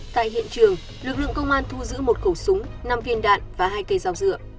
tại hiện trường lực lượng công an thu giữ một khẩu súng năm viên đạn và hai cây dao dựa